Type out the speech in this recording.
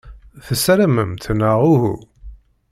Tessaramemt, neɣ uhu?